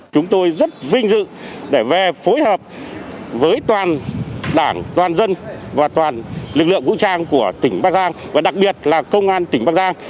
chúng tôi rất vinh dự để về phối hợp với toàn đảng toàn dân và toàn lực lượng vũ trang của tỉnh bắc giang và đặc biệt là công an tỉnh bắc giang